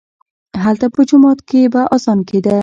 هلته په جومات کښې به اذان کېده.